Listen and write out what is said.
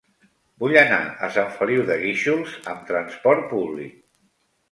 Vull anar a Sant Feliu de Guíxols amb trasport públic.